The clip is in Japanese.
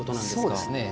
そうですね。